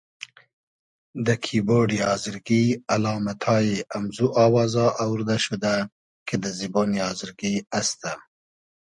دۂ کیبۉرۮی آزرگی الامئتای امزو آوازا اووردۂ شودۂ کی دۂ زیبۉنی آزرگی است.